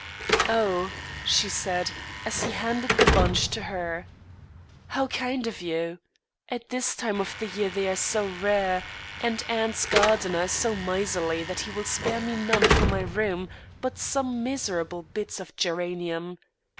"Oh!" she said, as he handed the bunch to her, "how kind of you. At this time of the year they are so rare, and aunt's gardener is so miserly that he will spare me none for my room but some miserable bits of geranium.